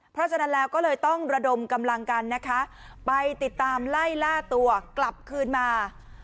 เพราะฉะนั้นแล้วก็เลยต้องระดมกำลังกันนะคะไปติดตามไล่ล่าตัวกลับคืนมา